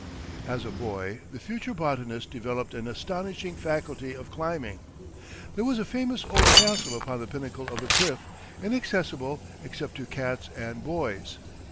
As a boy the future botanist developed an astonishing faculty of climbing. There was a famous old castle upon the pinnacle of a cliff, inaccessible except to cats and boys.